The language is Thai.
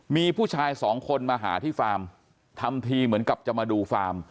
มีผู้ชายสองคนมาหาที่ฟาร์มทำทีเหมือนกับจะมาดูฟาร์ม